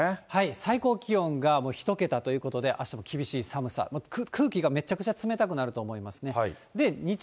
最高気温がもう１桁ということで、あしたも厳しい寒さ、空気がめっちゃくちゃ冷たくなると思いますね。